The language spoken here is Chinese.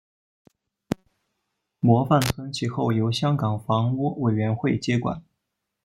模范邨其后由香港房屋委员会接管。